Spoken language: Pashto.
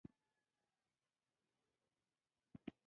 د ودانیو په غولي کې به کاشي او ښکلې ډبرې کارول کېدې